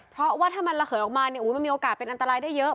เพราะว่าถ้ามันระเขยออกมามันมีโอกาสเป็นอันตรายได้เยอะ